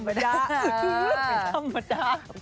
ไม่ธรรมดา